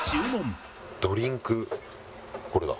ドリンクこれだ。